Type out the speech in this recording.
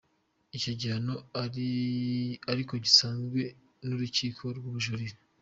Icyo gihano ariko cyanzwe n'urukiko rw'ubujurire.